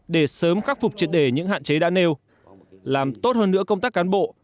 để sớm khắc phục triệt đề những hạn chế đã nêu làm tốt hơn nữa công tác cán bộ